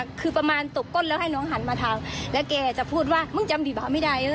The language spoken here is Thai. คือประมาณตกก้นแล้วให้น้องหันมาทางแล้วแกจะพูดว่ามึงจำดีกว่าไม่ได้